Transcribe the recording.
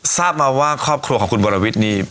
ทราบมาว่าครอบครัวของคุณวรวิทย์นี่